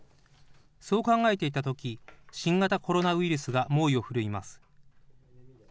そう考えていたとき、新型コロナウイルスが猛威を振るいます。